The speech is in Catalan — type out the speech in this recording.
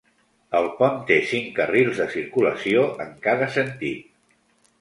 El pont té cinc carrils de circulació en cada sentit.